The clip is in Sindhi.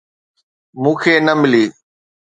مون کي نه ملي.